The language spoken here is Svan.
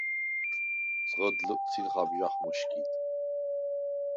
ძღჷდ ლჷკთილ ხაბჟახ მჷშკიდ.